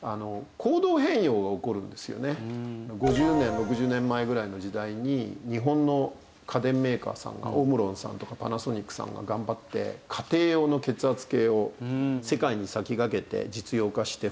５０年６０年前ぐらいの時代に日本の家電メーカーさんがオムロンさんとかパナソニックさんが頑張って家庭用の血圧計を世界に先駆けて実用化して普及して。